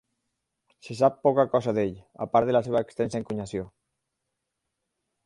Se sap poca cosa d'ell, a part de la seva extensa encunyació.